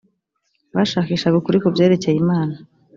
bashakishaga ukuri ku byerekeye imana